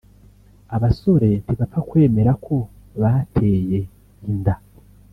Abasore ntibapfa kwemera ko bateye inda